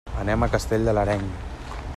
Anem a Castell de l'Areny.